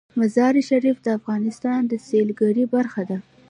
مزارشریف د افغانستان د سیلګرۍ برخه ده.